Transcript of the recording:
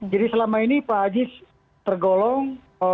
jadi selama ini pak aziz tergolong